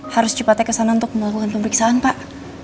harus cepatnya kesana untuk melakukan pemeriksaan pak